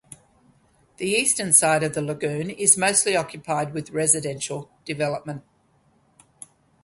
The eastern side of the lagoon is mostly occupied with residential development.